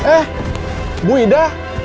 eh bu ida